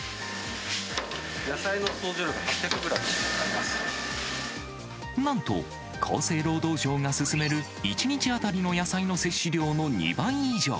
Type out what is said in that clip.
野菜の総重量が８００グラムなんと、厚生労働省が勧める１日当たりの野菜の摂取量の２倍以上。